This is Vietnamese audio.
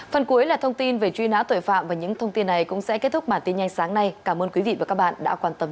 phần cuối là thông tin về truy nã tội phạm và những thông tin này cũng sẽ kết thúc bản tin nhanh sáng nay cảm ơn quý vị và các bạn đã quan tâm